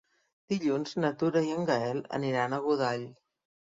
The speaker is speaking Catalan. Dilluns na Tura i en Gaël aniran a Godall.